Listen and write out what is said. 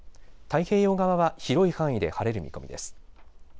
太平洋側は広い範囲で晴れる見込みです。